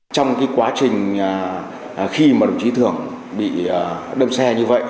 trong quá trình khi đồng chí thường bị đâm xe như vậy